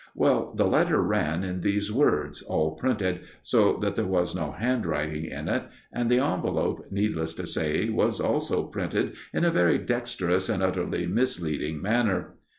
Well, the letter ran in these words, all printed, so that there was no handwriting in it; and the envelope, needless to say, was also printed in a very dexterous and utterly misleading manner.